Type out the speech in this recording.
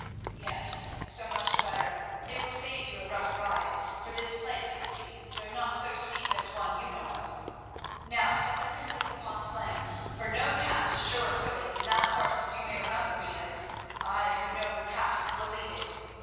Yes; so much the better; it will save you a rough ride, for this place is steep, though not so steep as one you know of. Now set the princess upon Flame, for no cat is surer footed than that horse, as you may remember, Peter. I who know the path will lead it.